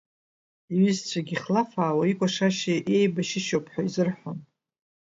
Иҩызцәагь ихлафаауа икәашашьа иеибашьышьоуп ҳәа изырҳәон.